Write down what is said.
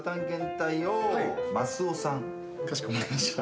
かしこまりました。